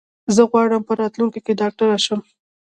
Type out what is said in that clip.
زه غواړم په راتلونکي کې ډاکټر شم.